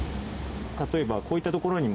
例えば。